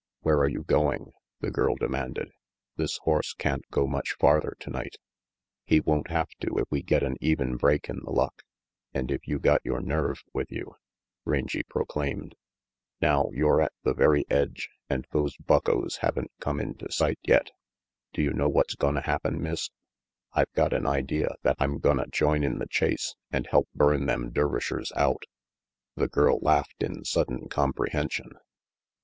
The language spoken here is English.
"Where are you going?" the girl demanded. "This horse can't go much farther tonight." "He won't have to if we get an even break in the luck, and if you got your nerve with you," Rangy proclaimed. "Now you're at the very edge and those buckos haven't come into sight yet. Do you know what's gonna happen, Miss? I've got an idea that I'm gonna join in the chase and help burn them Dervishers out " RANGY PETE 147 The girl laughed in sudden comprehension.